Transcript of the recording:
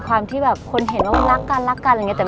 ความที่คนเห็นว่ารักกัน